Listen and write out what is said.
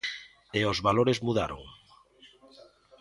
E os valores mudaron.